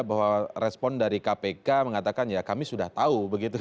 bahwa respon dari kpk mengatakan ya kami sudah tahu begitu